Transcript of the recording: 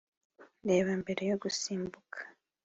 reba mbere yo gusimbuka